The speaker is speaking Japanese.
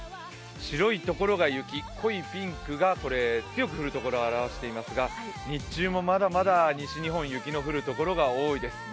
白い所が雪、濃いピンクが強く降る所を示していますが日中もまだまだ西日本雪の降る所が多いです。